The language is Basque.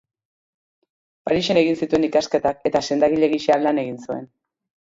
Parisen egin zituen ikasketak, eta sendagile gisa lan egin zuen.